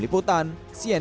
polisi masih memproses laporan